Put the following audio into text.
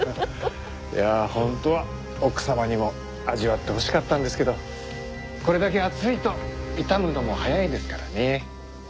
いやあ本当は奥様にも味わってほしかったんですけどこれだけ暑いと傷むのも早いですからね。